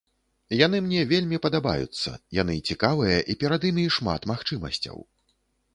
Яны мне вельмі падабаюцца, яны цікавыя і перад імі шмат магчымасцяў.